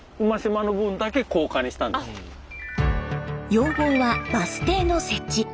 要望はバス停の設置。